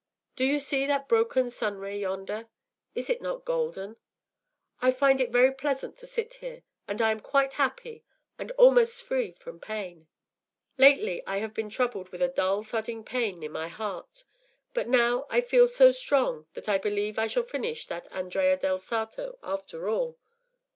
Do you see that broken sun ray yonder? Is it not golden? I find it very pleasant to sit here; and I am quite happy, and almost free from pain. Lately I have been troubled with a dull thudding pain near my heart; but now I feel so strong that I believe I shall finish that Andrea del Sarto after all.